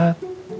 apa lagi adegan